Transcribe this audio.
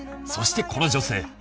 そしてこの女性。